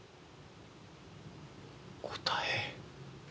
答え。